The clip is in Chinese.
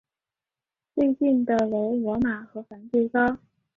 最近的为罗马和梵蒂冈。